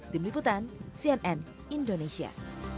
tim liputan cnn indonesia